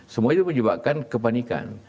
semua itu menyebabkan kepanikan